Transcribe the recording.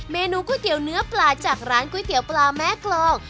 เมนูก๋วยเตี๋ยวเนื้อปลาจากร้านก๋วยเตี๋ยวปลาแม่กรอง